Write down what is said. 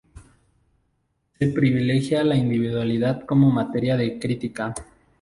Se privilegia la individualidad como materia de crítica.